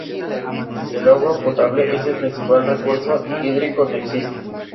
El agua potable es el principal recurso hídrico que existe.